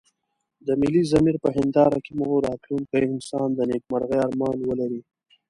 د ملي ضمير په هنداره کې مو راتلونکی انسان د نيکمرغيو ارمان ولري.